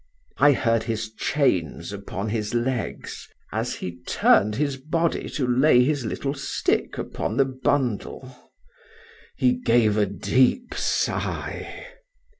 I heard his chains upon his legs, as he turned his body to lay his little stick upon the bundle.—He gave a deep sigh.